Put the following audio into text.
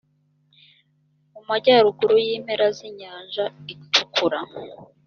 mu majyaruguru y impera z inyanja itukura